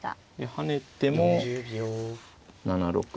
跳ねても７六歩。